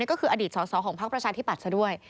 ก็คืออดีตสอดของภาคประชาธิปัชฌาด้วย